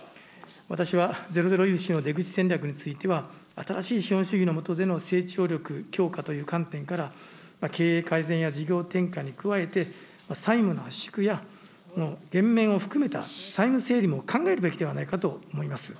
私はゼロゼロ融資の出口戦略については、新しい資本主義の下での成長力強化という観点から、経営改善や事業転換に加えて、債務の圧縮や、減免を含めた債務整理も考えるべきではないかと思います。